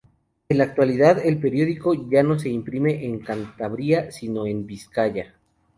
En la actualidad el periódico ya no se imprime en Cantabria, sino en Vizcaya.